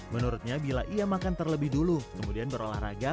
menurutnya bila ia makan terlebih dulu kemudian berolahraga